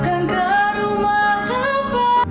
bukankah rumah tempat